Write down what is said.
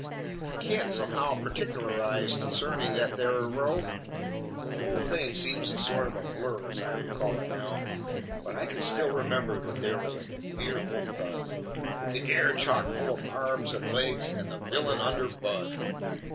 I can't, somehow, perticklerize concernin' that there row: The whole thing seems a sort of blur as I recall it now But I can still remember that there was a fearful thud, With the air chock full of arms and legs and the villain under Budd.